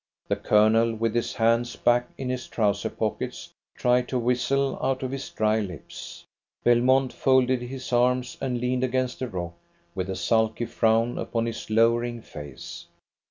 The Colonel, with his hands back in his trouser pockets, tried to whistle out of his dry lips. Belmont folded his arms and leaned against a rock, with a sulky frown upon his lowering face.